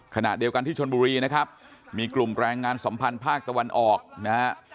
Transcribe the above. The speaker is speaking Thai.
ขณะเดียวกันที่ชนบุรีนะครับมีกลุ่มแรงงานสัมพันธ์ภาคตะวันออกนะฮะ